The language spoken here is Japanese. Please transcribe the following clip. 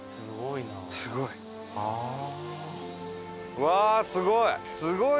うわーすごい！